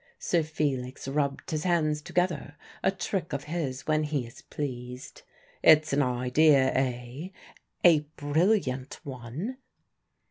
Sir Felix rubbed his hands together a trick of his when he is pleased. "It's an idea, eh?" "A brilliant one."